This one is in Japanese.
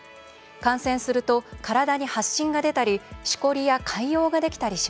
感染すると、体に発疹が出たりしこりや潰瘍ができたりします。